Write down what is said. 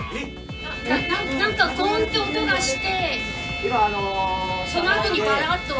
なんかどんって音がして。